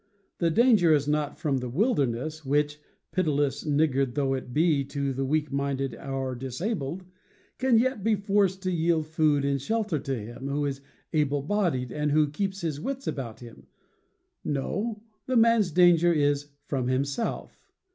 The danger is not from the wilderness, . which, pitiless niggard though it be to the weak minded or disabled, can yet be forced to yield food and shelter to him who is able bodied and who keeps his wits about him. No: the man's danger is from himself.